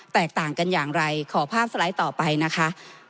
แตกต่างกันอย่างไรขอภาพสไลด์ต่อไปนะคะ